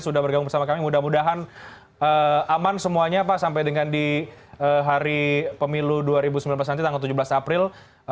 sudah bergabung bersama kami mudah mudahan aman semuanya pak sampai dengan di hari pemilu dua ribu sembilan belas nanti tanggal tujuh belas april